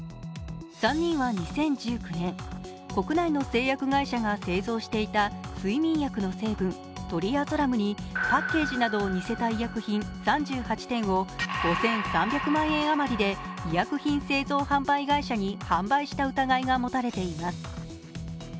３人は２０１９年、国内の製薬会社が製造していた睡眠薬の成分、トリアゾラムにパッケージなどを似せた医薬品３８点を５３００万円あまりで医薬品製造販売会社に販売した疑いが持たれています。